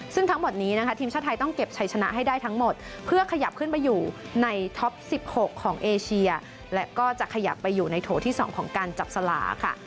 ซึ่งทั้งหมดนี้นะคะทีมชาติไทยต้องเก็บชัยชนะให้ได้ทั้งหมดเพื่อขยับขึ้นไปอยู่ในท็อป๑๖ของเอเชียและก็จะขยับไปอยู่ในโถที่๒ของการจับสลาค่ะ